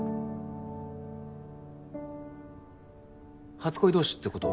初恋同士ってこと？